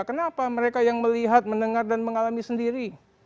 kenapa mereka yang melihat mendengar dan mengalami sendiri